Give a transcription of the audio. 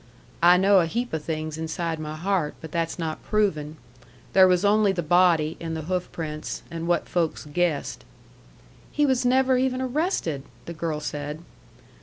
"I know a heap o' things inside my heart. But that's not proving. There was only the body, and the hoofprints and what folks guessed." "He was never even arrested!" the girl said.